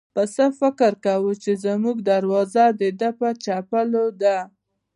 پسه فکر کاوه چې زموږ دروازه د ده د چپلو ده.